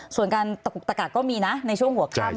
ส่วนตระกากก็มีนะในช่วงหัวข้าม